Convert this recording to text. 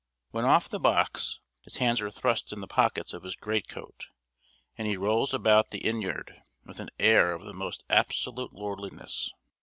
When off the box, his hands are thrust in the pockets of his greatcoat, and he rolls about the inn yard with an air of the most absolute lordliness.